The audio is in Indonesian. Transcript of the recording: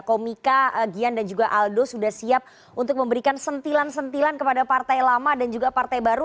komika gian dan juga aldo sudah siap untuk memberikan sentilan sentilan kepada partai lama dan juga partai baru